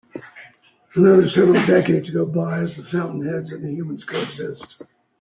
Another several decades go by as the Fountainheads and the humans co-exist.